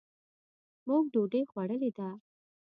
مونږ ډوډۍ خوړلې ده.